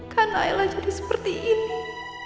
kak nailah jadi seperti ini